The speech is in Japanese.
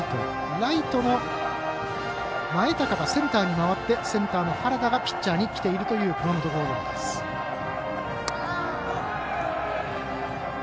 ライトの前高がセンターに回ってセンターの原田がピッチャーにきているという熊本工業です。